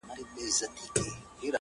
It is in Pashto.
د مسجدي او د اکبر مېنه ده!.